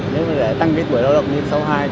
nếu mà để tăng tuổi lao động lên sáu hai